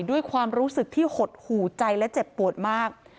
ด้วยความรู้สึกที่หดหูใจและเจ็บปวดมาก